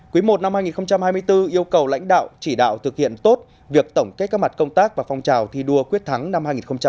quý i năm hai nghìn hai mươi bốn yêu cầu lãnh đạo chỉ đạo thực hiện tốt việc tổng kết các mặt công tác và phong trào thi đua quyết thắng năm hai nghìn hai mươi ba